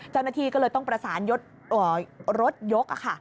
เจ้าหน้าที่ก็เลยต้องประสานยดรถยก